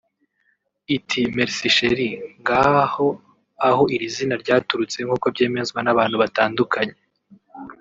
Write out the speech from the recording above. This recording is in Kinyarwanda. iti“Merci Cheri” ngaho aho iri zina ryaturutse nk’uko byemezwa n’abantu batandukanye